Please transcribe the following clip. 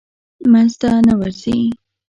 منځ ته نه ورځي.